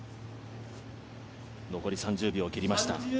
残り３０秒を切りました。